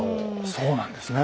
そうなんですね。